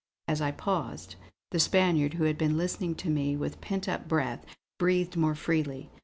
As I paused, the Spaniard who had been listening to me with pent up breath, breathed more freely.